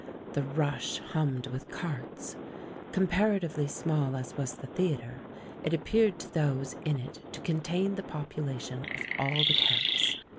The "Rush" hummed with "carts." Comparatively small as was the theatre, it appeared to those in it to contain the population of all the camps.